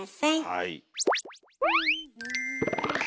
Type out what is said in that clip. はい。